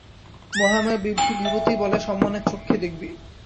মহামায়ার বিভূতি বলে সম্মানের চক্ষে দেখবি।